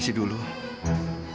saya tidak mau mengurus semuanya sendiri